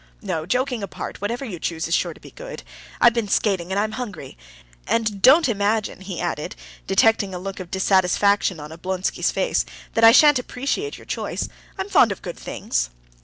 "No, joking apart, whatever you choose is sure to be good. I've been skating, and I'm hungry. And don't imagine," he added, detecting a look of dissatisfaction on Oblonsky's face, "that I shan't appreciate your choice. I am fond of good things."